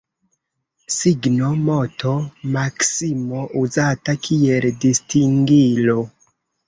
Signo, moto, maksimo uzata kiel distingilo.